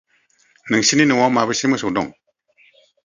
नोंस्रानि नआव माबेसे मोसौ दं?